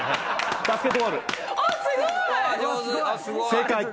正解。